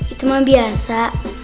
itu mah biasa